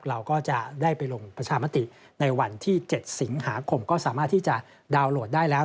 เราก็จะได้ไปลงประชามติในวันที่๗สิงหาคมก็สามารถที่จะดาวน์โหลดได้แล้ว